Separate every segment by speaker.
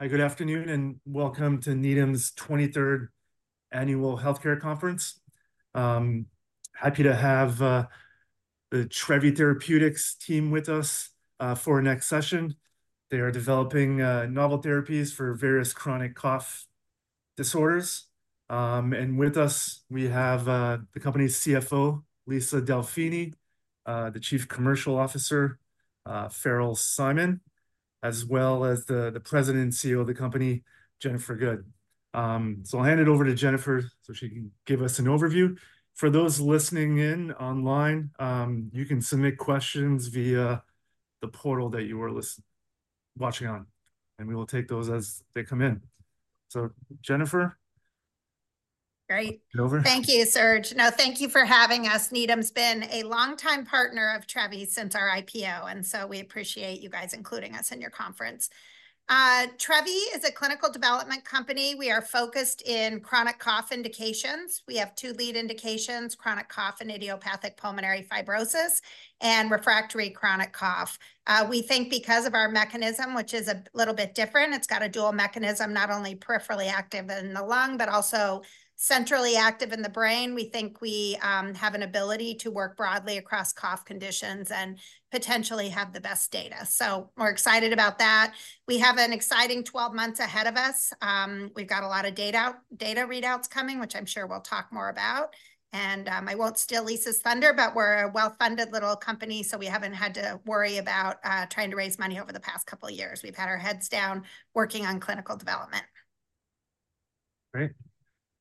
Speaker 1: Hi, good afternoon, and welcome to Needham's 23rd Annual Healthcare Conference. Happy to have the Trevi Therapeutics team with us for our next session. They are developing novel therapies for various chronic cough disorders. And with us, we have the company's CFO, Lisa Delfini, the Chief Commercial Officer, Farrell Simon, as well as the President and CEO of the company, Jennifer Good. So I'll hand it over to Jennifer, so she can give us an overview. For those listening in online, you can submit questions via the portal that you are listening or watching on, and we will take those as they come in. So, Jennifer?
Speaker 2: Great.
Speaker 1: Take it over.
Speaker 2: Thank you, Serge. No, thank you for having us. Needham's been a longtime partner of Trevi since our IPO, and so we appreciate you guys including us in your conference. Trevi is a clinical development company. We are focused in chronic cough indications. We have two lead indications, chronic cough and idiopathic pulmonary fibrosis and refractory chronic cough. We think because of our mechanism, which is a little bit different, it's got a dual mechanism, not only peripherally active in the lung, but also centrally active in the brain, we think we have an ability to work broadly across cough conditions and potentially have the best data. So we're excited about that. We have an exciting 12 months ahead of us. We've got a lot of data, data readouts coming, which I'm sure we'll talk more about. I won't steal Lisa's thunder, but we're a well-funded little company, so we haven't had to worry about trying to raise money over the past couple of years. We've had our heads down, working on clinical development.
Speaker 1: Great.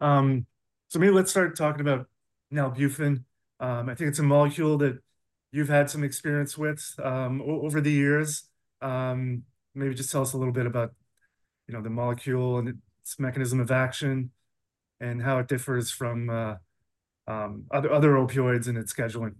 Speaker 1: So maybe let's start talking about nalbuphine. I think it's a molecule that you've had some experience with over the years. Maybe just tell us a little bit about, you know, the molecule and its mechanism of action, and how it differs from other opioids in its scheduling.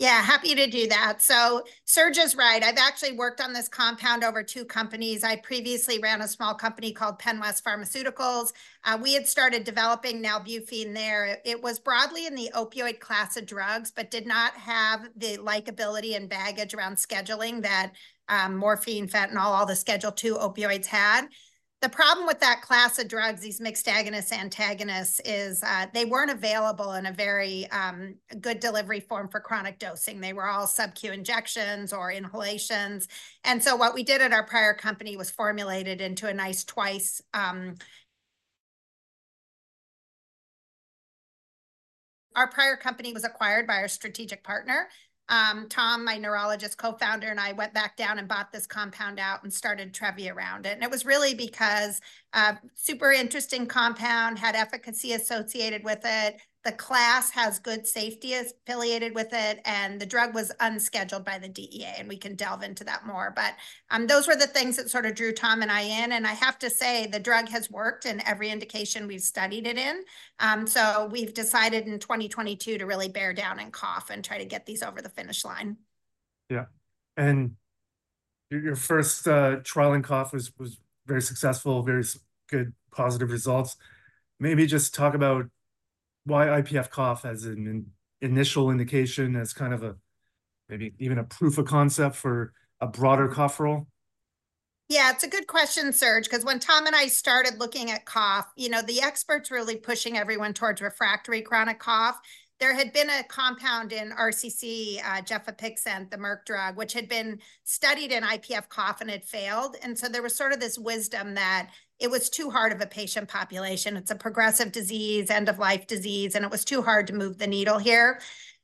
Speaker 2: Yeah, happy to do that. So Serge is right. I've actually worked on this compound over two companies. I previously ran a small company called Penwest Pharmaceuticals. We had started developing nalbuphine there. It was broadly in the opioid class of drugs but did not have the likability and baggage around scheduling that, morphine, fentanyl, all the Schedule II opioids had. The problem with that class of drugs, these mixed agonist-antagonists, is, they weren't available in a very, good delivery form for chronic dosing. They were all subQ injections or inhalations. And so what we did at our prior company was formulate it into a nice twice, Our prior company was acquired by our strategic partner. Tom, my neurologist Co-Founder, and I went back down and bought this compound out and started Trevi around it, and it was really because, super interesting compound, had efficacy associated with it, the class has good safety affiliated with it, and the drug was unscheduled by the DEA, and we can delve into that more. But, those were the things that sort of drew Tom and I in, and I have to say, the drug has worked in every indication we've studied it in. So we've decided in 2022 to really bear down and cough and try to get these over the finish line.
Speaker 1: Yeah, and your first trial in cough was very successful, very good, positive results. Maybe just talk about why IPF cough as an initial indication, as kind of a, maybe even a proof of concept for a broader cough role?
Speaker 2: Yeah, it's a good question, Serge, 'cause when Tom and I started looking at cough, you know, the experts were really pushing everyone towards refractory chronic cough. There had been a compound in RCC, gefapixant, the Merck drug, which had been studied in IPF cough and had failed, and so there was sort of this wisdom that it was too hard of a patient population. It's a progressive disease, end-of-life disease, and it was too hard to move the needle here.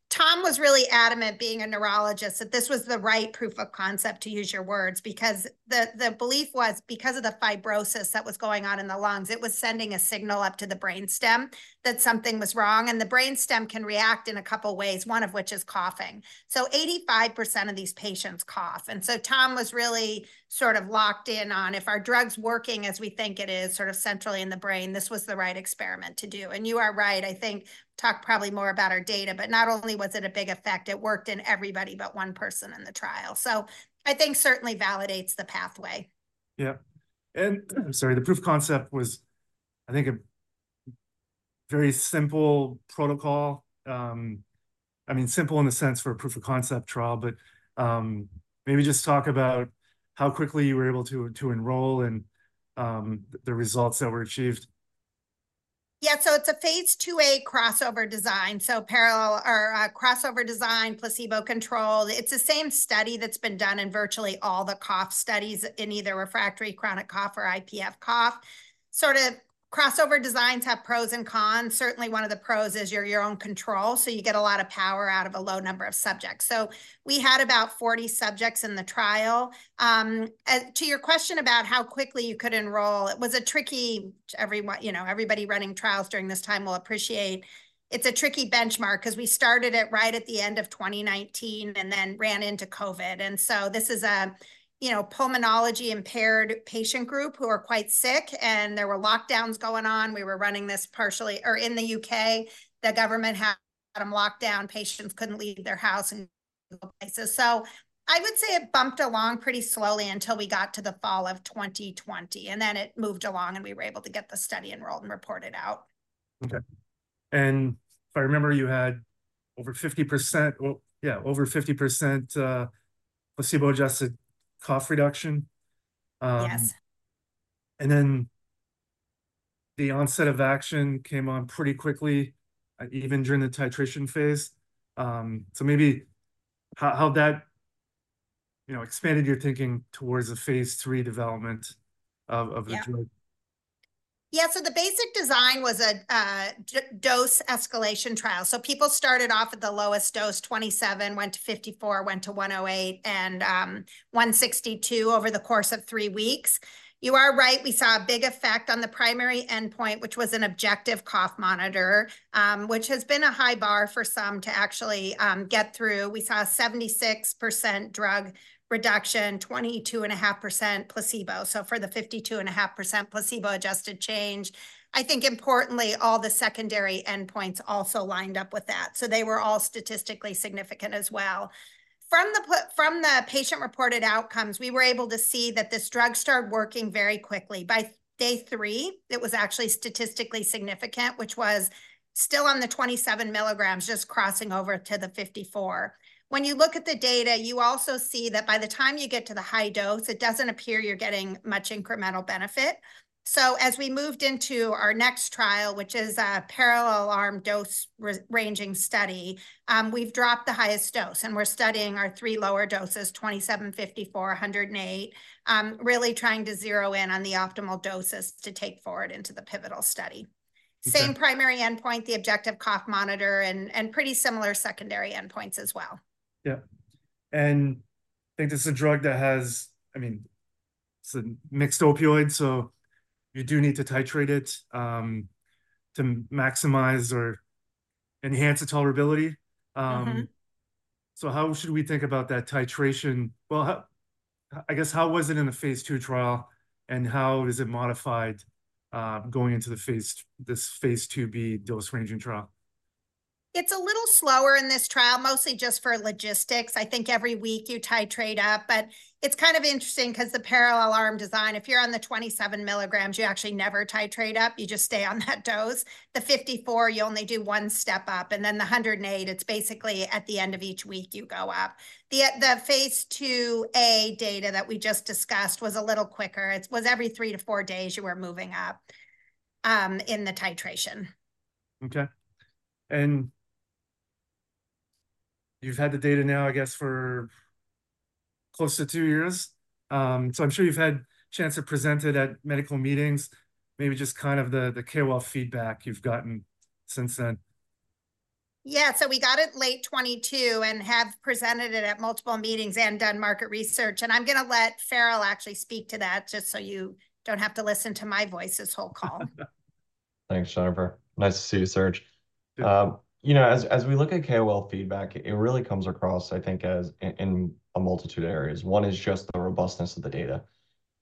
Speaker 2: Tom was really adamant, being a neurologist, that this was the right proof of concept, to use your words, because the belief was because of the fibrosis that was going on in the lungs, it was sending a signal up to the brain stem that something was wrong. And the brain stem can react in a couple of ways, one of which is coughing. So 85% of these patients cough, and so Tom was really sort of locked in on if our drug's working as we think it is, sort of centrally in the brain. This was the right experiment to do. And you are right, I think. Talk probably more about our data, but not only was it a big effect, it worked in everybody but one person in the trial. So I think certainly validates the pathway.
Speaker 1: Yeah. And, I'm sorry, the proof of concept was, I think, a very simple protocol. I mean, simple in the sense for a proof of concept trial, but, maybe just talk about how quickly you were able to enroll and, the results that were achieved.
Speaker 2: Yeah, so it's a phase II-A crossover design, so parallel or a crossover design, placebo-controlled. It's the same study that's been done in virtually all the cough studies, in either refractory chronic cough or IPF cough. Sort of crossover designs have pros and cons. Certainly, one of the pros is you're your own control, so you get a lot of power out of a low number of subjects. So we had about 40 subjects in the trial. And to your question about how quickly you could enroll, it was a tricky... Everyone, you know, everybody running trials during this time will appreciate, it's a tricky benchmark 'cause we started it right at the end of 2019 and then ran into COVID. And so this is a, you know, pulmonology-impaired patient group, who are quite sick, and there were lockdowns going on. We were running this partially... or in the U.K., the government had a lockdown. Patients couldn't leave their house and go places. So I would say it bumped along pretty slowly until we got to the fall of 2020, and then it moved along, and we were able to get the study enrolled and reported out.
Speaker 1: Okay. And if I remember, you had over 50%, well, yeah, over 50%, placebo-adjusted cough reduction.
Speaker 2: Yes.
Speaker 1: The onset of action came on pretty quickly, even during the titration phase. Maybe how that, you know, expanded your thinking towards the phase III development of the drug?
Speaker 2: Yeah. Yeah, so the basic design was a dose escalation trial. So people started off at the lowest dose, 27 mg, went to 54 mg, went to 108 mg, and 162 mg over the course of three weeks. You are right, we saw a big effect on the primary endpoint, which was an objective cough monitor, which has been a high bar for some to actually get through. We saw a 76% drug reduction, 22.5% placebo. So for the 52.5% placebo-adjusted change, I think importantly, all the secondary endpoints also lined up with that. So they were all statistically significant as well. From the patient-reported outcomes, we were able to see that this drug started working very quickly. By day three, it was actually statistically significant, which was still on the 27 mg, just crossing over to the 54. When you look at the data, you also see that by the time you get to the high dose, it doesn't appear you're getting much incremental benefit. So as we moved into our next trial, which is a parallel arm dose-ranging study, we've dropped the highest dose, and we're studying our three lower doses, 27 mg, 54 mg, 108 mg, really trying to zero in on the optimal doses to take forward into the pivotal study.
Speaker 1: Okay.
Speaker 2: Same primary endpoint, the objective cough monitor, and pretty similar secondary endpoints as well.
Speaker 1: Yeah. And I think this is a drug that has... I mean, it's a mixed opioid, so you do need to titrate it, to maximize or enhance the tolerability.
Speaker 2: Mm-hmm.
Speaker 1: So how should we think about that titration? Well, I guess, how was it in the phase II trial, and how is it modified, going into this phase II-B dose-ranging trial?
Speaker 2: It's a little slower in this trial, mostly just for logistics. I think every week you titrate up, but it's kind of interesting 'cause the parallel arm design, if you're on the 27 mg, you actually never titrate up, you just stay on that dose. The 54n mg, you only do one step up, and then the 108 mg, it's basically at the end of each week, you go up. The phase II-A data that we just discussed was a little quicker. It was every three-four days you were moving up in the titration.
Speaker 1: Okay. You've had the data now, I guess, for close to two years. So, I'm sure you've had a chance to present it at medical meetings, maybe just kind of the KOL feedback you've gotten since then.
Speaker 2: Yeah. So we got it late 2022, and have presented it at multiple meetings and done market research, and I'm gonna let Farrell actually speak to that, just so you don't have to listen to my voice this whole call.
Speaker 3: Thanks, Jennifer. Nice to see you, Serge.
Speaker 1: Yeah.
Speaker 3: You know, as we look at KOL feedback, it really comes across, I think, as in a multitude of areas. One is just the robustness of the data,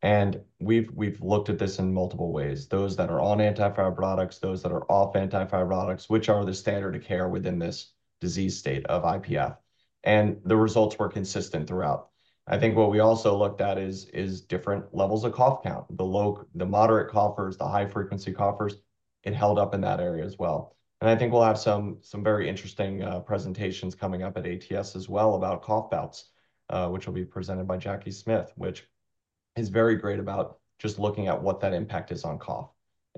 Speaker 3: and we've looked at this in multiple ways. Those that are on anti-fibrotic, those that are off anti-fibrotic, which are the standard of care within this disease state of IPF, and the results were consistent throughout. I think what we also looked at is different levels of cough count. The low-the moderate coughers, the high-frequency coughers, it held up in that area as well. And I think we'll have some very interesting presentations coming up at ATS as well about cough bouts, which will be presented by Jacky Smith, which is very great about just looking at what that impact is on cough.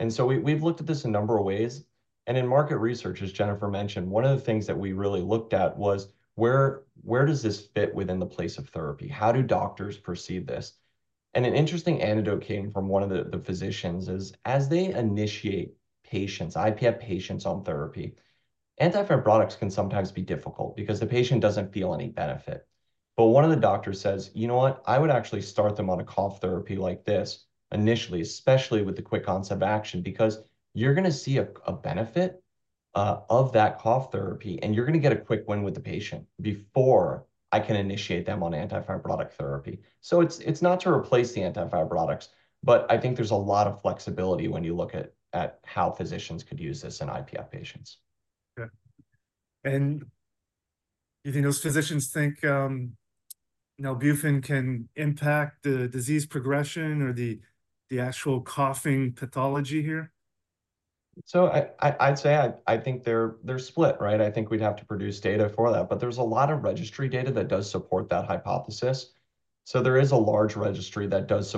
Speaker 3: So we've looked at this a number of ways, and in market research, as Jennifer mentioned, one of the things that we really looked at was where does this fit within the place of therapy? How do doctors perceive this? An interesting anecdote came from one of the physicians: as they initiate IPF patients on therapy, antifibrotic can sometimes be difficult because the patient doesn't feel any benefit. But one of the doctors says, "You know what? I would actually start them on a cough therapy like this initially, especially with the quick onset of action, because you're gonna see a benefit of that cough therapy, and you're gonna get a quick win with the patient before I can initiate them on anti-fibrotic therapy." So it's not to replace the anti-fibrotics, but I think there's a lot of flexibility when you look at how physicians could use this in IPF patients.
Speaker 1: Okay. And do you think those physicians think nalbuphine can impact the disease progression or the actual coughing pathology here?
Speaker 3: So I'd say I think they're split, right? I think we'd have to produce data for that, but there's a lot of registry data that does support that hypothesis. So there is a large registry that does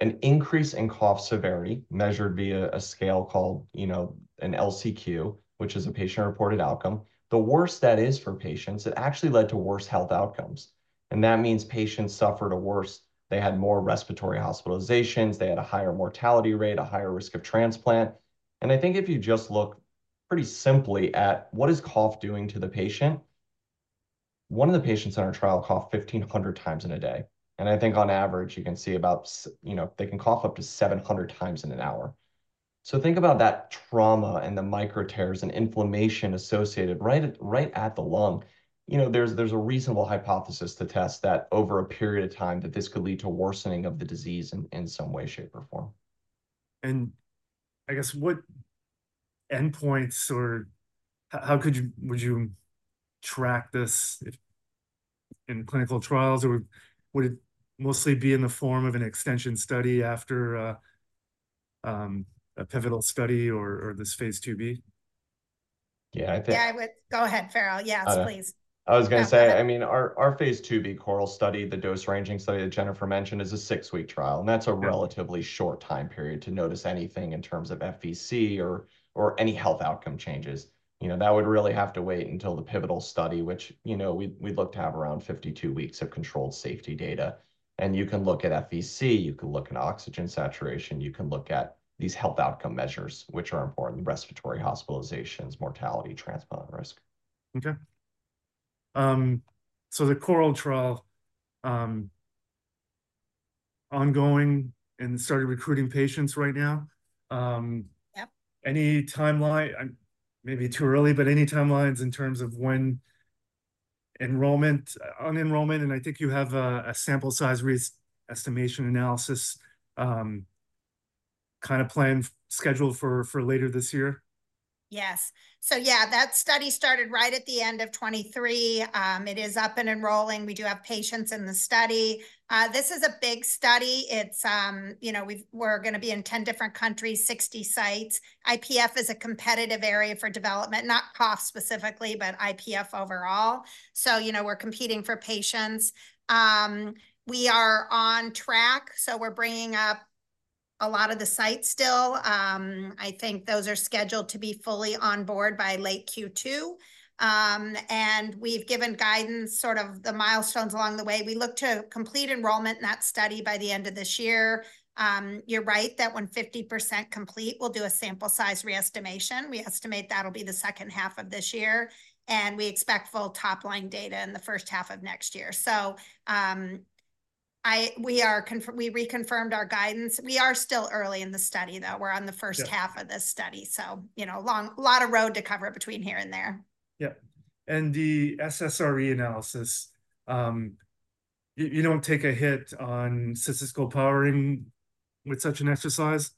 Speaker 3: support an increase in cough severity, measured via a scale called, you know, an LCQ, which is a patient-reported outcome. The worse that is for patients, it actually led to worse health outcomes, and that means patients suffered a worse... They had more respiratory hospitalizations, they had a higher mortality rate, a higher risk of transplant. And I think if you just look pretty simply at what is cough doing to the patient, one of the patients on our trial coughed 1,500x in a day. I think on average, you can see about, you know, they can cough up to 700x in an hour. So think about that trauma and the micro tears and inflammation associated right at, right at the lung. You know, there's, there's a reasonable hypothesis to test that over a period of time, that this could lead to worsening of the disease in, in some way, shape, or form.
Speaker 1: And I guess, what endpoints or how could you, would you track this in clinical trials, or would it mostly be in the form of an extension study after a pivotal study or this phase II-B?
Speaker 3: Yeah, I think-
Speaker 2: Yeah, I would— Go ahead, Farrell. Yes, please.
Speaker 3: I was gonna say, I mean, our phase II-B CORAL study, the dose-ranging study that Jennifer mentioned, is a six-week trial, and that's a relatively short time period to notice anything in terms of FVC or, or any health outcome changes. You know, that would really have to wait until the pivotal study, which, you know, we look to have around 52 weeks of controlled safety data. And you can look at FVC, you can look at oxygen saturation, you can look at these health outcome measures, which are important: respiratory hospitalizations, mortality, transplant risk.
Speaker 1: Okay. So the CORAL trial, ongoing and started recruiting patients right now?
Speaker 2: Yep.
Speaker 1: Any timeline? May be too early, but any timelines in terms of when enrollment, on enrollment, and I think you have a sample size re-estimation analysis, kind of planned, scheduled for later this year?
Speaker 2: Yes. So yeah, that study started right at the end of 2023. It is up and enrolling. We do have patients in the study. This is a big study. It's, you know, we've-- we're gonna be in 10 different countries, 60 sites. IPF is a competitive area for development, not COPD specifically, but IPF overall, so, you know, we're competing for patients. We are on track, so we're bringing up a lot of the sites still. I think those are scheduled to be fully on board by late Q2. And we've given guidance, sort of the milestones along the way. We look to complete enrollment in that study by the end of this year. You're right that when 50% complete, we'll do a sample size re-estimation we estimate that'll be the second half of this year, and we expect full top-line data in the first half of next year. So, we reconfirmed our guidance. We are still early in the study, though. We're on the-
Speaker 1: Yeah...
Speaker 2: first half of this study, so, you know, lot of road to cover between here and there.
Speaker 1: Yep, and the SSRE analysis, you don't take a hit on statistical powering with such an exercise?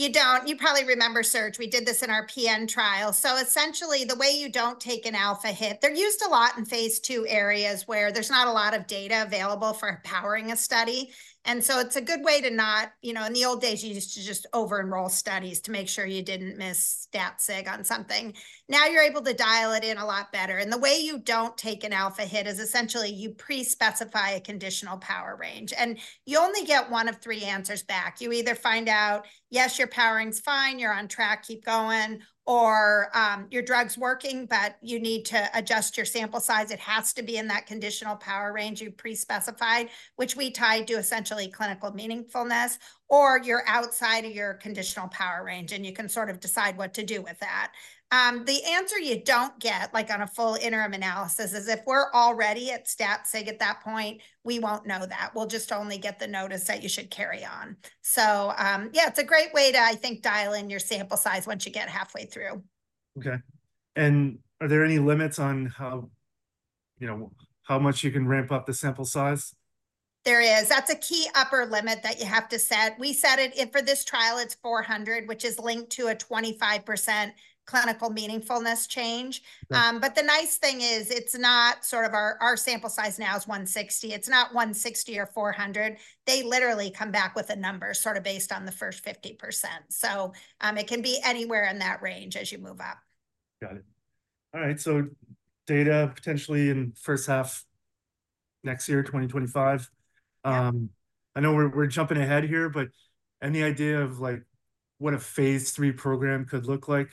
Speaker 2: You don't. You probably remember, Serge, we did this in our PN trial. So essentially, the way you don't take an alpha hit, they're used a lot in phase II areas, where there's not a lot of data available for powering a study. And so it's a good way to not... You know, in the old days, you used to just over-enroll studies to make sure you didn't miss stat sig on something. Now, you're able to dial it in a lot better, and the way you don't take an alpha hit is essentially you pre-specify a conditional power range. And you only get one of three answers back. You either find out, yes, your powering's fine, you're on track, keep going or, your drug's working, but you need to adjust your sample size, it has to be in that conditional power range you pre-specified, which we tied to essentially clinical meaningfulness. Or you're outside of your conditional power range, and you can sort of decide what to do with that. The answer you don't get, like on a full interim analysis, is if we're already at stat sig at that point, we won't know that. We'll just only get the notice that you should carry on. So, yeah, it's a great way to, I think, dial in your sample size once you get halfway through.
Speaker 1: Okay. Are there any limits on how, you know, how much you can ramp up the sample size?
Speaker 2: There is. That's a key upper limit that you have to set. We set it, for this trial, it's 400, which is linked to a 25% clinical meaningfulness change.
Speaker 1: Mm.
Speaker 2: But the nice thing is, it's not sort of our sample size now is 160. It's not 160 or 400. They literally come back with a number, sort of based on the first 50%. So, it can be anywhere in that range as you move up.
Speaker 1: Got it. All right, so data potentially in first half next year, 2025.
Speaker 2: Yep.
Speaker 1: I know we're jumping ahead here, but any idea of, like, what a phase III program could look like?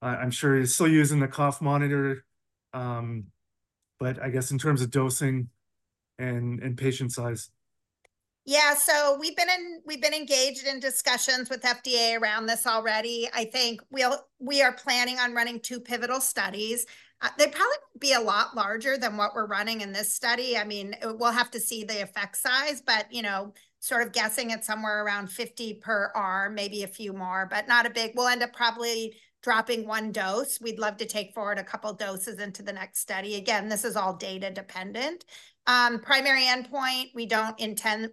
Speaker 1: I'm sure you're still using the cough monitor, but I guess in terms of dosing and patient size.
Speaker 2: Yeah. So we've been engaged in discussions with FDA around this already. I think we are planning on running two pivotal studies. They'd probably be a lot larger than what we're running in this study. I mean, we'll have to see the effect size, but, you know, sort of guessing it's somewhere around 50 per arm, maybe a few more, but not a big... We'll end up probably dropping one dose. We'd love to take forward a couple of doses into the next study. Again, this is all data dependent. Primary endpoint, we don't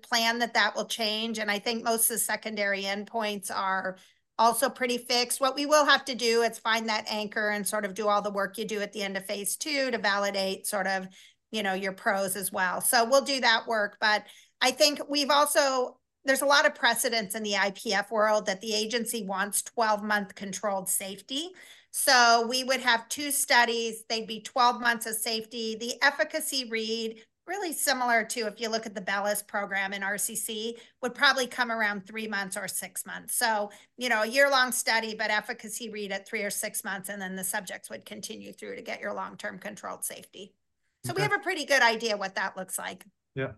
Speaker 2: plan that that will change, and I think most of the secondary endpoints are also pretty fixed. What we will have to do is find that anchor and sort of do all the work you do at the end of phase II to validate sort of, you know, your PROs as well. So we'll do that work, but I think we've also, there's a lot of precedents in the IPF world that the agency wants 12-month controlled safety. So we would have two studies. They'd be 12 months of safety. The efficacy read, really similar to if you look at the Bellus program in RCC, would probably come around three months or six months. So, you know, a year-long study, but efficacy read at three or six months, and then the subjects would continue through to get your long-term controlled safety.
Speaker 1: Okay.
Speaker 2: We have a pretty good idea what that looks like.
Speaker 1: Yeah.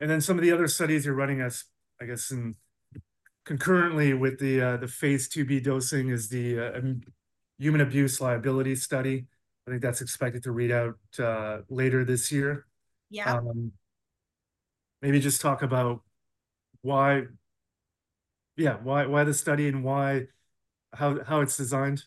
Speaker 1: And then some of the other studies you're running as, I guess, in concurrently with the phase II-B dosing is the human abuse liability study. I think that's expected to read out later this year.
Speaker 2: Yeah.
Speaker 1: Maybe just talk about why. Yeah, why the study and how it's designed?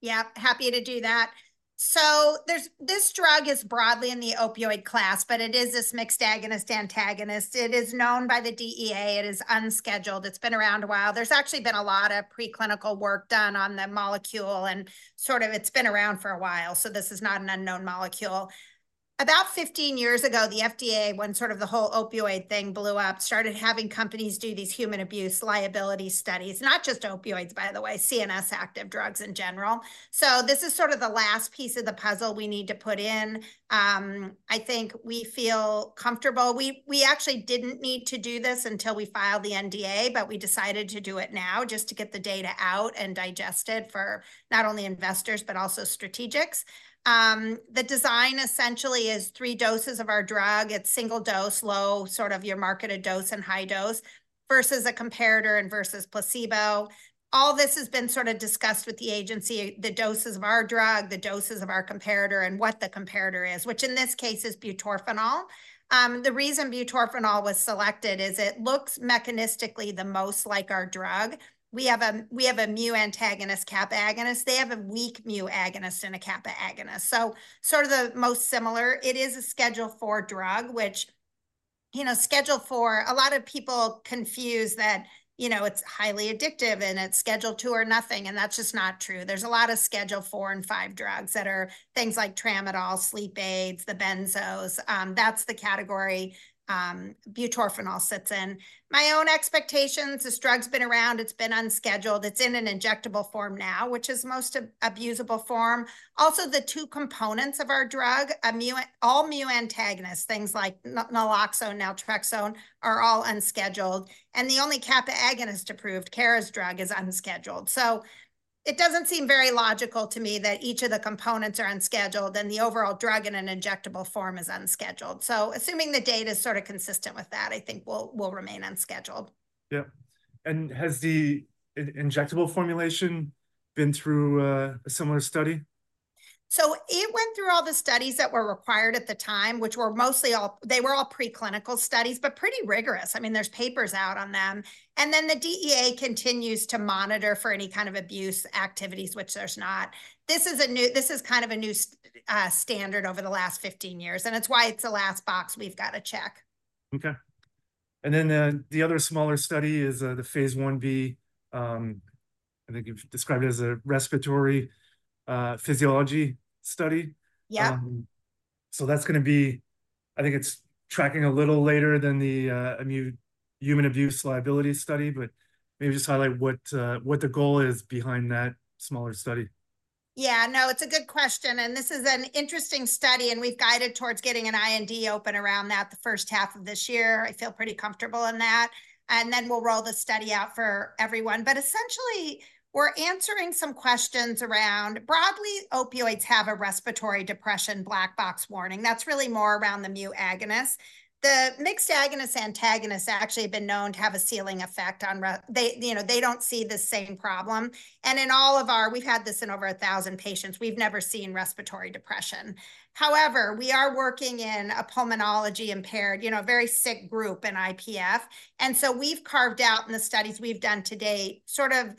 Speaker 2: Yeah, happy to do that. So there's this drug is broadly in the opioid class, but it is this mixed agonist-antagonist. It is known by the DEA. It is unscheduled. It's been around a while. There's actually been a lot of preclinical work done on the molecule, and sort of it's been around for a while, so this is not an unknown molecule. About 15 years ago, the FDA, when sort of the whole opioid thing blew up, started having companies do these human abuse liability studies. Not just opioids, by the way, CNS active drugs in general. So this is sort of the last piece of the puzzle we need to put in. I think we feel comfortable we actually didn't need to do this until we filed the NDA, but we decided to do it now just to get the data out and digest it for not only investors, but also strategics. The design essentially is three doses of our drug at single dose, low, sort of your marketed dose, and high dose, versus a comparator and versus placebo. All this has been sort of discussed with the agency, the doses of our drug, the doses of our comparator, and what the comparator is, which in this case is butorphanol. The reason butorphanol was selected is it looks mechanistically the most like our drug. We have a mu antagonist, kappa agonist. They have a weak mu agonist and a kappa agonist, so sort of the most similar. It is a Schedule IV drug, which, you know, Schedule IV, a lot of people confuse that, you know, it's highly addictive, and it's Schedule II or nothing, and that's just not true. There's a lot of Schedule IV and V drugs that are things like tramadol, sleep aids, the benzos. That's the category butorphanol sits in. My own expectations, this drug's been around, it's been unscheduled. It's in an injectable form now, which is the most abusable form. Also, the two components of our drug, all mu antagonists, things like naloxone, naltrexone, are all unscheduled, and the only kappa agonist approved, Cara's drug, is unscheduled. So it doesn't seem very logical to me that each of the components are unscheduled, and the overall drug in an injectable form is unscheduled. Assuming the data is sort of consistent with that, I think we'll, we'll remain unscheduled.
Speaker 1: Yeah. And has the injectable formulation been through a similar study?
Speaker 2: So it went through all the studies that were required at the time, which were mostly all, they were all preclinical studies, but pretty rigorous. I mean, there's papers out on them. And then, the DEA continues to monitor for any kind of abuse activities, which there's not. This is a new, this is kind of a new standard over the last 15 years, and it's why it's the last box we've got to check.
Speaker 1: Okay. And then, the other smaller study is the phase I-B. I think you've described it as a respiratory physiology study.
Speaker 2: Yeah.
Speaker 1: So that's gonna be... I think it's tracking a little later than the human abuse liability study, but maybe just highlight what, what the goal is behind that smaller study.
Speaker 2: Yeah, no, it's a good question, and this is an interesting study, and we've guided towards getting an IND open around that the first half of this year. I feel pretty comfortable in that, and then we'll roll the study out for everyone. But essentially, we're answering some questions around- broadly, opioids have a respiratory depression black box warning. That's really more around the mu agonist. The mixed agonist-antagonists actually have been known to have a ceiling effect on re- they, you know, they don't see the same problem. And in all of our- we've had this in over 1,000 patients, we've never seen respiratory depression. However, we are working in a pulmonary-impaired, you know, very sick group in IPF, and so we've carved out in the studies we've done to date, sort of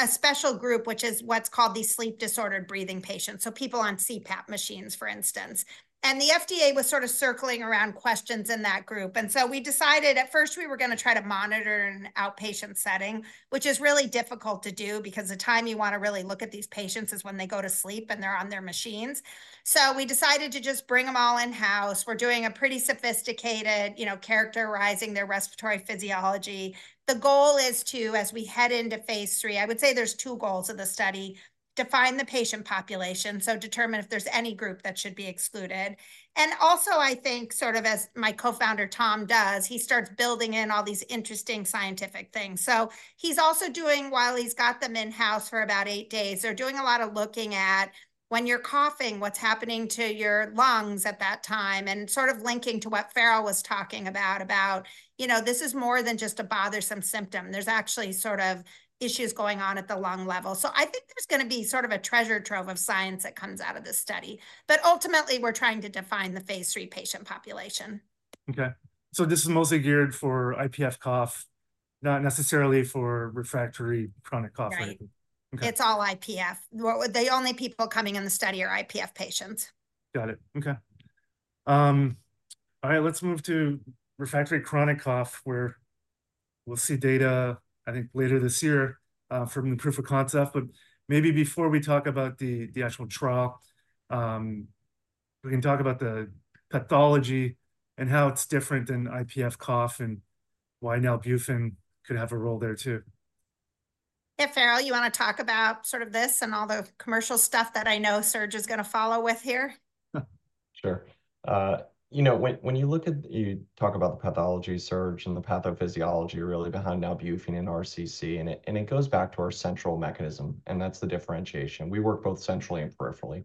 Speaker 2: a special group, which is what's called the sleep disordered breathing patients, so people on CPAP machines, for instance. The FDA was sort of circling around questions in that group, and so we decided at first, we were gonna try to monitor an outpatient setting, which is really difficult to do because the time you want to really look at these patients is when they go to sleep, and they're on their machines. So we decided to just bring them all in-house. We're doing a pretty sophisticated, you know, characterizing their respiratory physiology. The goal is to, as we head into phase III, I would say there's two goals of the study: define the patient population, so determine if there's any group that should be excluded. And also, I think, sort of as my Co-Founder, Tom, does, he starts building in all these interesting scientific things. So he's also doing, while he's got them in-house for about eight days, they're doing a lot of looking at when you're coughing, what's happening to your lungs at that time, and sort of linking to what Farrell was talking about, about, you know, this is more than just a bothersome symptom. There's actually sort of issues going on at the lung level. So I think there's gonna be sort of a treasure trove of science that comes out of this study. But ultimately, we're trying to define the phase III patient population.
Speaker 1: Okay, so this is mostly geared for IPF cough, not necessarily for refractory chronic cough or anything?
Speaker 2: Right.
Speaker 1: Okay.
Speaker 2: It's all IPF. Well, the only people coming in the study are IPF patients.
Speaker 1: Got it. Okay. All right, let's move to refractory chronic cough, where we'll see data, I think, later this year, from the proof of concept. But maybe before we talk about the, the actual trial, we can talk about the pathology and how it's different than IPF cough and why nalbuphine could have a role there, too.
Speaker 2: Yeah, Farrell, you want to talk about sort of this and all the commercial stuff that I know Serge is gonna follow with here?
Speaker 3: Sure. You know, when you look at, you talk about the pathology, sir, and the pathophysiology really behind nalbuphine in RCC, and it goes back to our central mechanism, and that's the differentiation. We work both centrally and peripherally.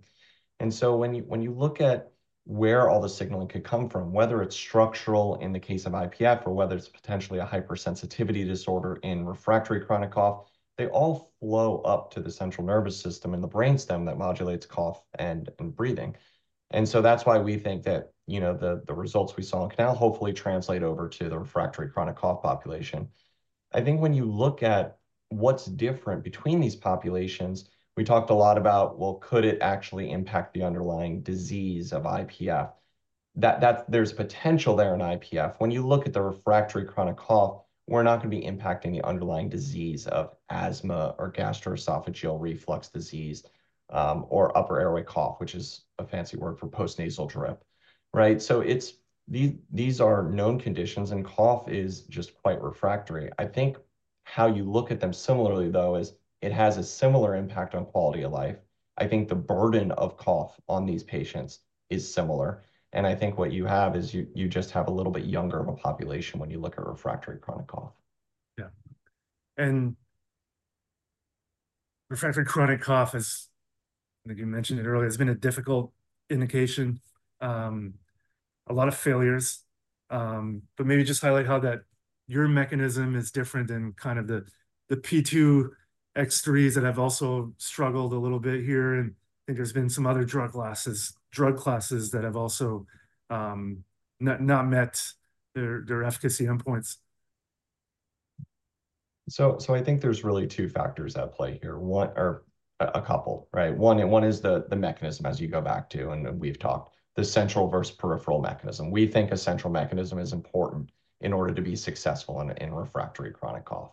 Speaker 3: And so when you look at where all the signaling could come from, whether it's structural in the case of IPF or whether it's potentially a hypersensitivity disorder in refractory chronic cough, they all flow up to the central nervous system in the brainstem that modulates cough and breathing. And so that's why we think that, you know, the results we saw can now hopefully translate over to the refractory chronic cough population. I think when you look at what's different between these populations, we talked a lot about, well, could it actually impact the underlying disease of IPF? That there's potential there in IPF. When you look at the refractory chronic cough, we're not gonna be impacting the underlying disease of asthma or gastroesophageal reflux disease, or upper airway cough, which is a fancy word for postnasal drip, right? So it's these are known conditions, and cough is just quite refractory. I think how you look at them similarly, though, is it has a similar impact on quality of life. I think the burden of cough on these patients is similar, and I think what you have is you just have a little bit younger of a population when you look at refractory chronic cough.
Speaker 1: Yeah. Refractory chronic cough is, I think you mentioned it earlier, has been a difficult indication. A lot of failures, but maybe just highlight how that your mechanism is different than kind of the, the P2X3s that have also struggled a little bit here. And I think there's been some other drug classes, drug classes that have also, not, not met their, their efficacy endpoints.
Speaker 3: So, I think there's really two factors at play here. One... or a couple, right? One is the mechanism, as you go back to, and we've talked, the central versus peripheral mechanism. We think a central mechanism is important in order to be successful in refractory chronic cough.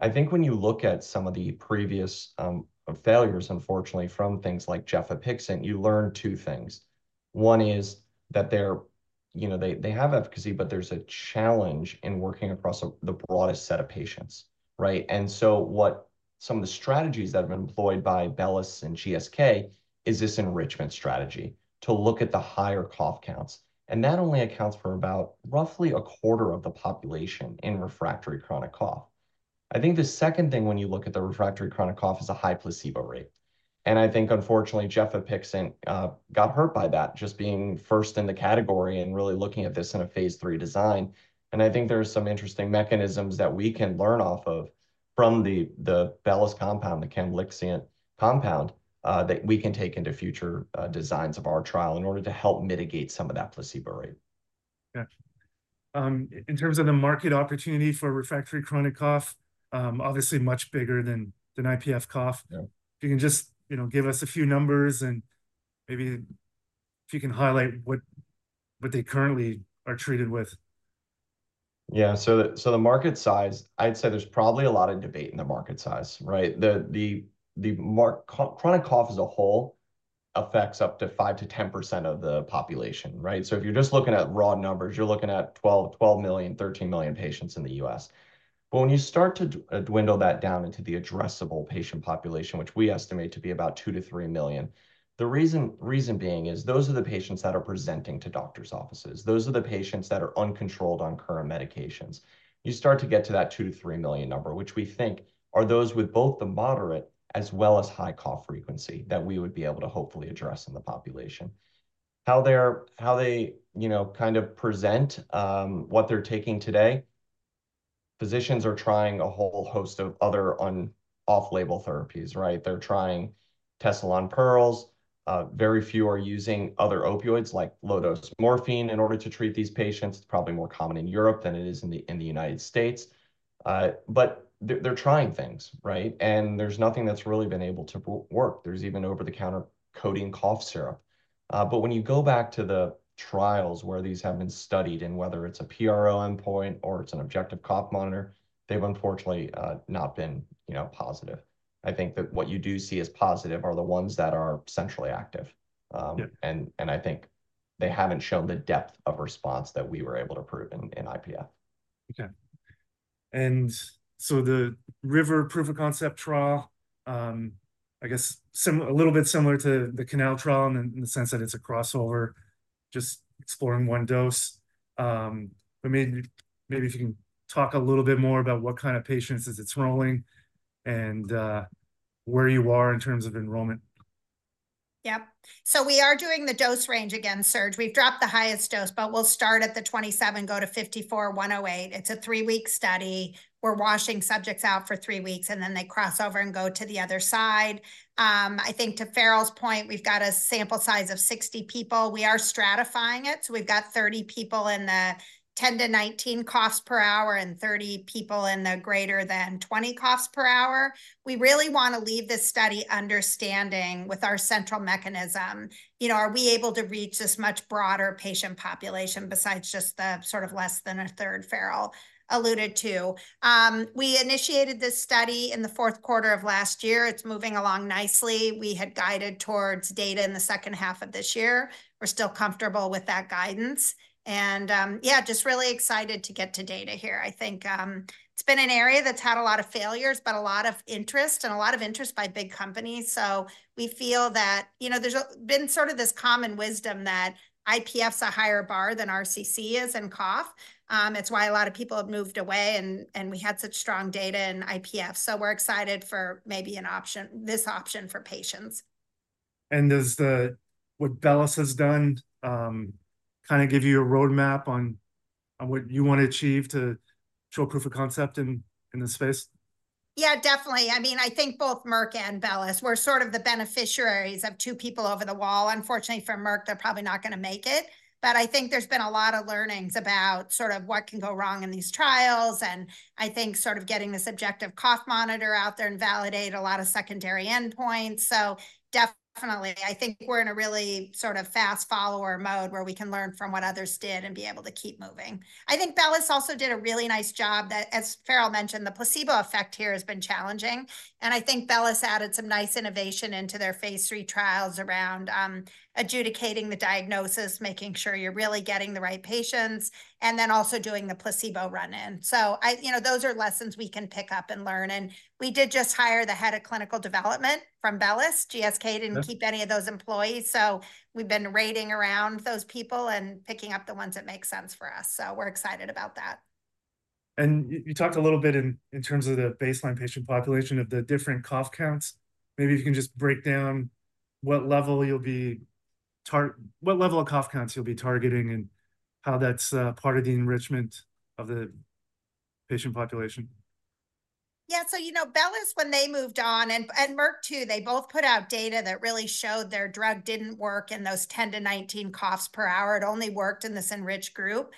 Speaker 3: I think when you look at some of the previous failures, unfortunately, from things like gefapixant, you learn two things. One is that they're, you know, they have efficacy, but there's a challenge in working across the broadest set of patients, right? And so what some of the strategies that have been employed by Bellus and GSK is this enrichment strategy, to look at the higher cough counts, and that only accounts for about roughly a quarter of the population in refractory chronic cough. I think the second thing when you look at the refractory chronic cough is a high placebo rate. And I think, unfortunately, gefapixant got hurt by that, just being first in the category and really looking at this in a phase III design. And I think there are some interesting mechanisms that we can learn off of from the, the Bellus compound, the camlipixant compound, that we can take into future designs of our trial in order to help mitigate some of that placebo rate.
Speaker 1: Yeah. In terms of the market opportunity for refractory chronic cough, obviously much bigger than IPF cough.
Speaker 3: Yeah.
Speaker 1: If you can just, you know, give us a few numbers, and maybe if you can highlight what they currently are treated with?
Speaker 3: Yeah. So the market size, I'd say there's probably a lot of debate in the market size, right? The market for chronic cough as a whole affects up to 5%-10% of the population, right? So if you're just looking at raw numbers, you're looking at 12, 12 million, 13 million patients in the U.S.. But when you start to dwindle that down into the addressable patient population, which we estimate to be about 2 million-3 million, the reason being is those are the patients that are presenting to doctor's offices. Those are the patients that are uncontrolled on current medications. You start to get to that 2 million-3 million number, which we think are those with both the moderate as well as high cough frequency, that we would be able to hopefully address in the population. How they, you know, kind of present what they're taking today, physicians are trying a whole host of other off-label therapies, right? They're trying Tessalon Perles. Very few are using other opioids, like low-dose morphine, in order to treat these patients. It's probably more common in Europe than it is in the United States. But they're trying things, right? And there's nothing that's really been able to work. There's even over-the-counter codeine cough syrup. But when you go back to the trials where these have been studied, and whether it's a PRO endpoint or it's an objective cough monitor, they've unfortunately not been, you know, positive. I think that what you do see as positive are the ones that are centrally active.
Speaker 1: Yeah...
Speaker 3: and I think they haven't shown the depth of response that we were able to prove in IPF.
Speaker 1: Okay. So the RIVER proof-of-concept trial, I guess similar a little bit to the CANAL trial in the sense that it's a crossover, just exploring one dose. But maybe, maybe if you can talk a little bit more about what kind of patients is it enrolling and where you are in terms of enrollment.
Speaker 2: Yep. We are doing the dose range again, Serge. We've dropped the highest dose, but we'll start at the 27 mg, go to 54 mg, 108 mg. It's a three-week study. We're washing subjects out for three weeks, and then they cross over and go to the other side. I think to Farrell's point, we've got a sample size of 60 people. We are stratifying it, so we've got 30 people in the 10-19 coughs per hour and 30 people in the greater than 20 coughs per hour. We really want to leave this study understanding, with our central mechanism, you know, are we able to reach this much broader patient population besides just the sort of less than a third Farrell alluded to? We initiated this study in the fourth quarter of last year. It's moving along nicely. We had guided towards data in the second half of this year. We're still comfortable with that guidance. Yeah, just really excited to get to data here. I think, it's been an area that's had a lot of failures, but a lot of interest, and a lot of interest by big companies. So we feel that, you know, there's a been sort of this common wisdom that IPF's a higher bar than RCC is in cough. It's why a lot of people have moved away and we had such strong data in IPF. So we're excited for maybe an option, this option for patients.
Speaker 1: Does what Bellus has done kind of give you a roadmap on what you want to achieve to show proof of concept in this space?
Speaker 2: Yeah, definitely. I mean, I think both Merck and Bellus, we're sort of the beneficiaries of two people over the wall. Unfortunately for Merck, they're probably not gonna make it. But I think there's been a lot of learnings about sort of what can go wrong in these trials, and I think sort of getting the subjective cough monitor out there and validate a lot of secondary endpoints. Definitely, I think we're in a really sort of fast follower mode, where we can learn from what others did and be able to keep moving. I think Bellus also did a really nice job, that, as Farrell mentioned, the placebo effect here has been challenging, and I think Bellus added some nice innovation into their phase III trials around adjudicating the diagnosis, making sure you're really getting the right patients, and then also doing the placebo run-in. You know, those are lessons we can pick up and learn, and we did just hire the head of clinical development from Bellus. GSK-
Speaker 1: Yeah...
Speaker 2: didn't keep any of those employees, so we've been raiding around those people and picking up the ones that make sense for us, so we're excited about that.
Speaker 1: You talked a little bit in terms of the baseline patient population of the different cough counts. Maybe you can just break down what level of cough counts you'll be targeting, and how that's part of the enrichment of the patient population.
Speaker 2: Yeah, so you know, Bellus, when they moved on, and Merck too, they both put out data that really showed their drug didn't work in those 10-19 coughs per hour. It only worked in this enriched group.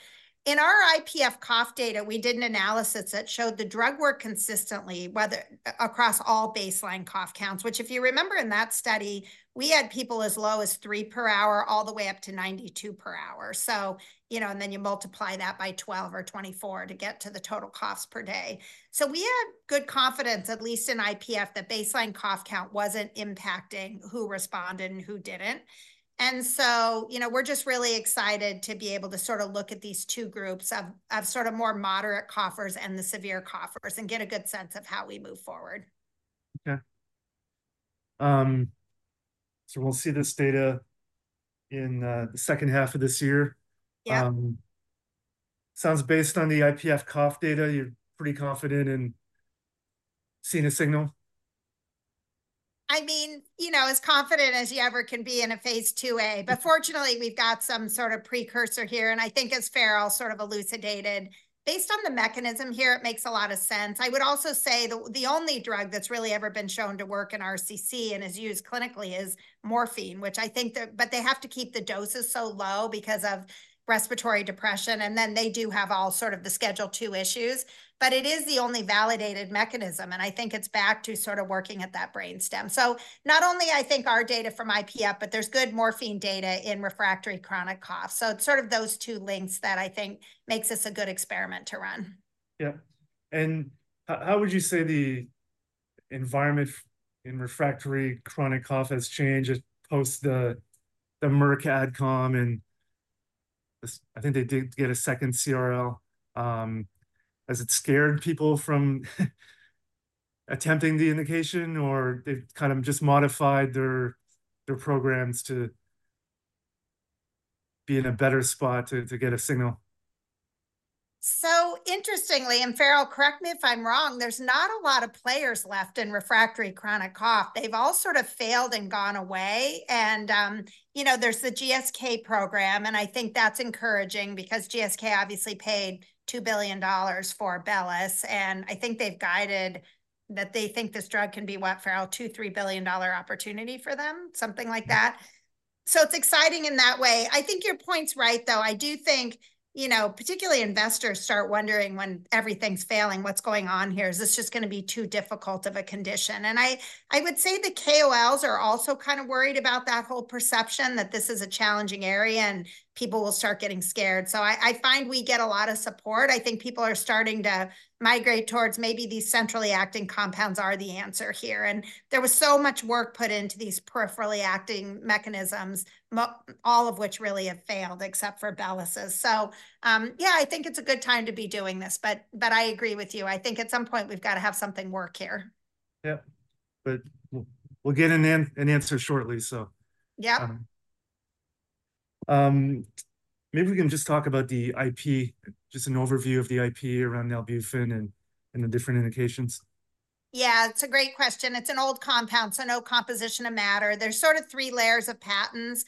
Speaker 2: In our IPF cough data, we did an analysis that showed the drug worked consistently, whether across all baseline cough counts, which, if you remember in that study, we had people as low as 3 per hour, all the way up to 92 per hour. So, you know, and then you multiply that by 12 or 24 to get to the total coughs per day. So we had good confidence, at least in IPF, that baseline cough count wasn't impacting who responded and who didn't. You know, we're just really excited to be able to sort of look at these two groups of sort of more moderate coughers and the severe coughers, and get a good sense of how we move forward.
Speaker 1: Okay. We'll see this data in the second half of this year?
Speaker 2: Yeah.
Speaker 1: Sounds based on the IPF cough data, you're pretty confident in seeing a signal?
Speaker 2: I mean, you know, as confident as you ever can be in a phase II-A. But fortunately, we've got some sort of precursor here, and I think, as Farrell sort of elucidated, based on the mechanism here, it makes a lot of sense. I would also say the, the only drug that's really ever been shown to work in RCC and is used clinically is morphine, which I think the... But they have to keep the doses so low because of respiratory depression, and then they do have all sort of the Schedule II issues, but it is the only validated mechanism, and I think it's back to sort of working at that brain stem. So not only I think our data from IPF, but there's good morphine data in refractory chronic cough. So it's sort of those two links that I think makes this a good experiment to run.
Speaker 1: Yeah. And how would you say the environment in refractory chronic cough has changed just post the Merck ad com and this... I think they did get a second CRL. Has it scared people from attempting the indication, or they've kind of just modified their programs to be in a better spot to get a signal?
Speaker 2: So interestingly, and Farrell, correct me if I'm wrong, there's not a lot of players left in refractory chronic cough. They've all sort of failed and gone away. And, you know, there's the GSK program, and I think that's encouraging because GSK obviously paid $2 billion for Bellus, and I think they've guided that they think this drug can be what, Farrell, $2 billion-$3 billion opportunity for them? Something like that.
Speaker 1: Yeah.
Speaker 2: So it's exciting in that way. I think your point's right, though. I do think, you know, particularly investors start wondering, when everything's failing, what's going on here? Is this just gonna be too difficult of a condition? And I, I would say the KOLs are also kind of worried about that whole perception, that this is a challenging area, and people will start getting scared. So I, I find we get a lot of support. I think people are starting to migrate towards maybe these centrally acting compounds are the answer here, and there was so much work put into these peripherally acting mechanisms, all of which really have failed except for Bellus's. So, yeah, I think it's a good time to be doing this, but, but I agree with you. I think at some point we've gotta have something work here.
Speaker 1: Yeah. But we'll get an answer shortly, so-
Speaker 2: Yeah ...
Speaker 1: maybe we can just talk about the IP, just an overview of the IP around nalbuphine and the different indications.
Speaker 2: Yeah, it's a great question. It's an old compound, so no composition of matter. There's sort of three layers of patents.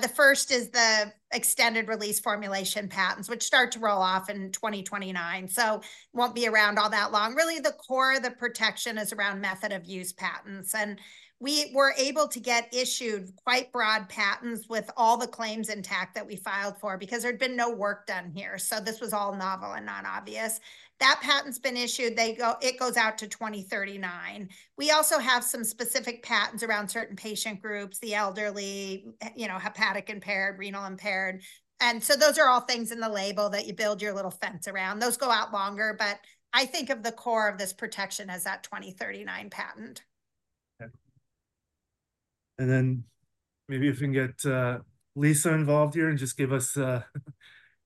Speaker 2: The first is the extended release formulation patents, which start to roll off in 2029, so won't be around all that long. Really, the core of the protection is around method-of-use patents, and we were able to get issued quite broad patents with all the claims intact that we filed for because there'd been no work done here, so this was all novel and not obvious. That patent's been issued. It goes out to 2039. We also have some specific patents around certain patient groups, the elderly, you know, hepatic-impaired, renal-impaired, and so those are all things in the label that you build your little fence around. Those go out longer, but I think of the core of this protection as that 2039 patent.
Speaker 1: Okay. And then maybe we can get Lisa involved here, and just give us an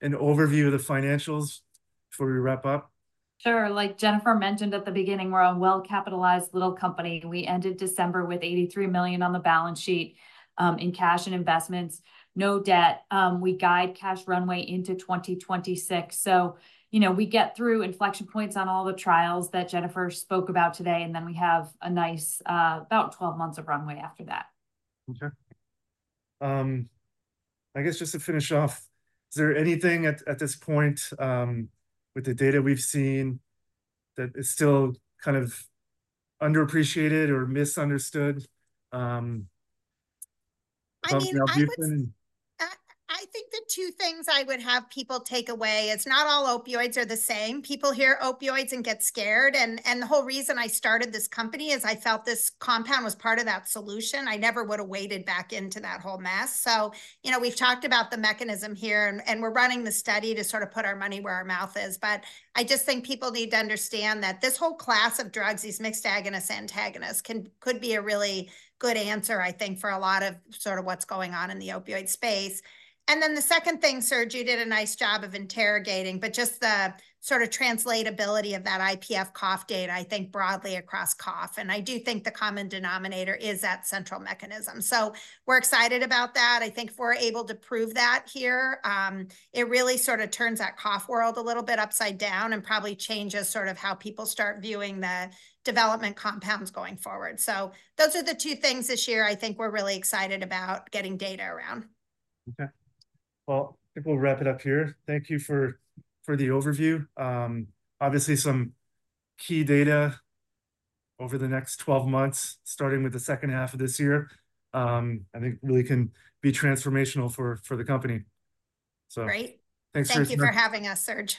Speaker 1: overview of the financials before we wrap up.
Speaker 4: Sure. Like Jennifer mentioned at the beginning, we're a well-capitalized little company. We ended December with $83 million on the balance sheet, in cash and investments, no debt. We guide cash runway into 2026, so, you know, we get through inflection points on all the trials that Jennifer spoke about today, and then we have a nice, about 12 months of runway after that.
Speaker 1: Okay. I guess just to finish off, is there anything at this point, with the data we've seen, that is still kind of underappreciated or misunderstood, about nalbuphine?
Speaker 2: I mean, I would... I think the two things I would have people take away is not all opioids are the same. People hear opioids and get scared, and the whole reason I started this company is I felt this compound was part of that solution. I never would've waded back into that whole mess. So, you know, we've talked about the mechanism here, and we're running the study to sort of put our money where our mouth is. But I just think people need to understand that this whole class of drugs, these mixed agonist-antagonists, could be a really good answer, I think, for a lot of sort of what's going on in the opioid space. And then the second thing, Serge, you did a nice job of interrogating, but just the sort of translatability of that IPF cough data, I think, broadly across cough, and I do think the common denominator is that central mechanism. So we're excited about that. I think if we're able to prove that here, it really sort of turns that cough world a little bit upside down and probably changes sort of how people start viewing the development compounds going forward. So those are the two things this year I think we're really excited about getting data around.
Speaker 1: Okay. Well, I think we'll wrap it up here. Thank you for the overview. Obviously, some key data over the next 12 months, starting with the second half of this year, I think really can be transformational for the company. So-
Speaker 2: Great...
Speaker 1: thanks very much.
Speaker 2: Thank you for having us, Serge.